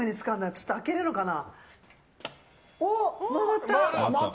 ちょっと開けるのかな。